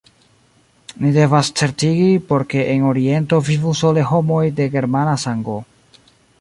Ni devas certigi, por ke en Oriento vivu sole homoj de germana sango.